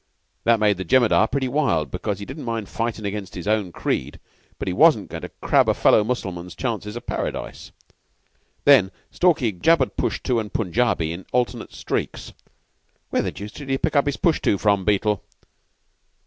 That made the Jemadar pretty wild, because he didn't mind fighting against his own creed, but he wasn't going to crab a fellow Mussulman's chances of Paradise. Then Stalky jabbered Pushtu and Punjabi in alternate streaks. Where the deuce did he pick up his Pushtu from, Beetle?"